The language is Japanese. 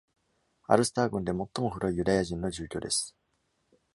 アルスター郡で最も古いユダヤ人の住居です。